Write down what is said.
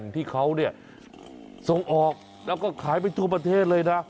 ที่เขาส่งออกแล้วก็ขายไปทั่วประเทศเลยนะ